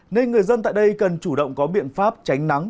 nên người dân tại đây cần chủ động có biện pháp tránh nắng